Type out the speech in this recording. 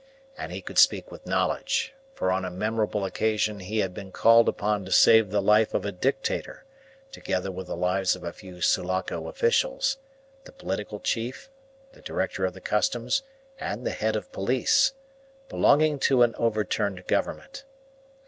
And he could speak with knowledge; for on a memorable occasion he had been called upon to save the life of a dictator, together with the lives of a few Sulaco officials the political chief, the director of the customs, and the head of police belonging to an overturned government.